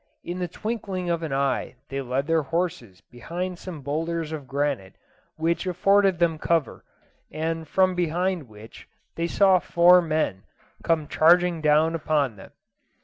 In the twinkling of an eye they led their horses behind some boulders of granite which afforded them cover, and from behind which they saw four men come charging down upon them.